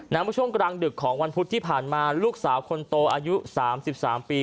เมื่อช่วงกลางดึกของวันพุธที่ผ่านมาลูกสาวคนโตอายุ๓๓ปี